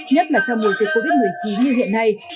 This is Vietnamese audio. nhất là trong mùa dịch covid một mươi chín như hiện nay